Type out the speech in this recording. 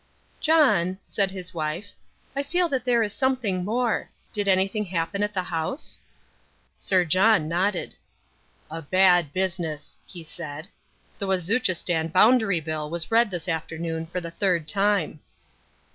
"John," said his wife, "I feel that there is something more. Did anything happen at the House?" Sir John nodded. "A bad business," he said. "The Wazuchistan Boundary Bill was read this afternoon for the third time."